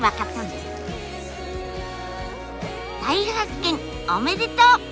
大発見おめでとう！